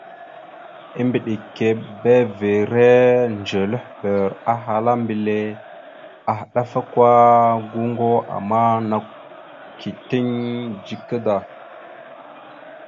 Embədekerrevere ndzelehɓer ahala mbelle: « Adafakwara goŋgo, ama nakw « keeteŋ dzika da. ».